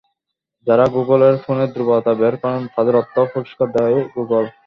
যাঁরা গুগলের ফোনের দুর্বলতা বের করেন, তাঁদের অর্থ পুরস্কার দেয় গুগল।